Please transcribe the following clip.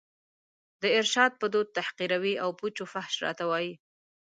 د ارشاد په دود تحقیروي او پوچ و فحش راته وايي